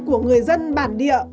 của người dân bản địa